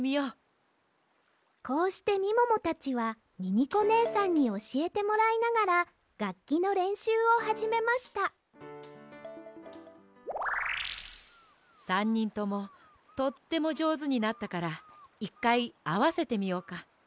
こうしてみももたちはミミコねえさんにおしえてもらいながらがっきのれんしゅうをはじめました３にんともとってもじょうずになったから１かいあわせてみようか。